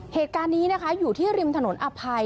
เหตุการณ์นี้นะคะอยู่ที่ริมถนนอภัย